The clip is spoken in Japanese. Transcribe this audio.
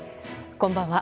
こんばんは。